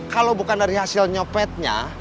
kalau bukan dari hasil nyopetnya